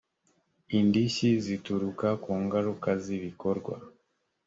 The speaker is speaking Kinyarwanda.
indishyi zituruka ku ngaruka z ibikorwa